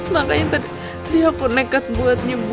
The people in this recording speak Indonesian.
makanya tadi aku nekat buat nyebur